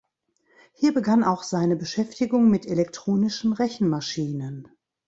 Hier begann auch seine Beschäftigung mit elektronischen Rechenmaschinen.